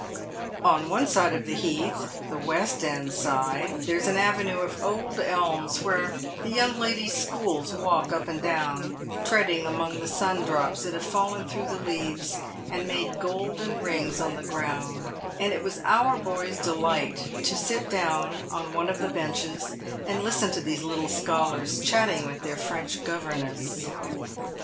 On one side of the heath — the West end side — there is an avenue of old elms, where the young ladies' schools walk up and down, treading among the sundrops that have fallen through the leaves and made golden rings on the ground, and it was our boy's delight to sit down on one of the benches and listen to these little scholars chatting with their French governess.